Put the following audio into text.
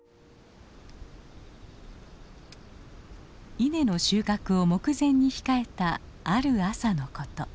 稲の収穫を目前に控えたある朝のこと。